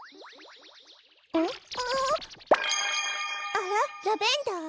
あらラベンダー？